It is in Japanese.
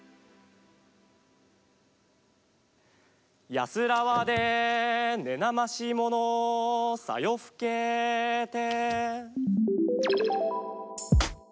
「やすらはで寝なましものをさ夜更けて」。